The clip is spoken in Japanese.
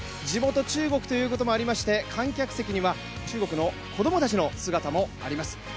地元・中国ということもありまして観客席には中国の子供たちの姿もあります。